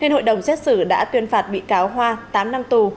hội đồng xét xử đã tuyên phạt bị cáo hoa tám năm tù